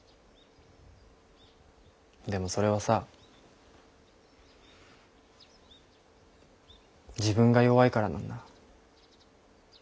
でもそれはさ自分が弱いからなんだ。